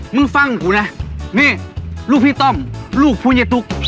มึงฟังกูนะนี่ลูกพี่ต้อมลูกผู้เย้ตุ๊ก